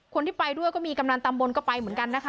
คนที่ไปด้วยก็มีกำนันตำบลก็ไปเหมือนกันนะคะ